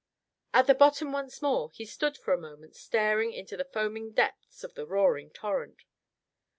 At the bottom once more, he stood for a moment staring into the foaming depths of a roaring torrent.